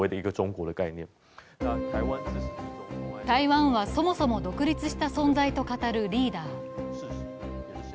台湾はそもそも独立した存在と語るリーダー。